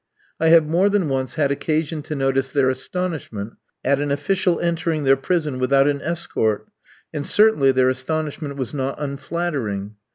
I have more than once had occasion to notice their astonishment at an official entering their prison without an escort, and certainly their astonishment was not unflattering.